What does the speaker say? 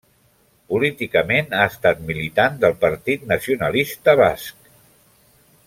Políticament ha estat militant del Partit Nacionalista Basc.